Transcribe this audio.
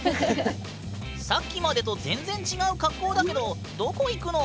さっきまでと全然違う格好だけどどこ行くの？